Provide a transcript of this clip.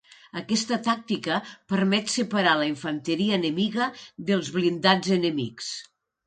Aquesta tàctica permet separar la infanteria enemiga dels blindats enemics.